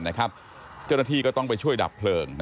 เจ้าหน้าที่ก็ต้องไปช่วยดับเพลิง